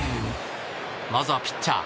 まずはピッチャー。